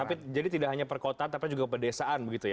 tapi jadi tidak hanya perkotaan tapi juga pedesaan begitu ya